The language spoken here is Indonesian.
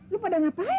lu pada ngapain